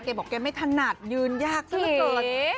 บอกแกไม่ถนัดยืนยากซะละเกิน